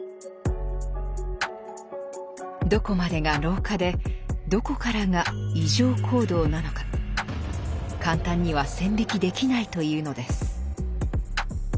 どこまでが老化でどこからが異常行動なのか簡単には線引きできないというのです。